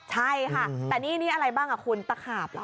ใช่ค่ะแต่นี่อะไรบ้างคุณตะขาบล่ะ